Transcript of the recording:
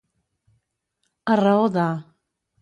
A raó de.